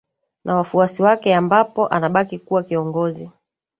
na wafuasi wake ambapo anabaki kuwa kiongozi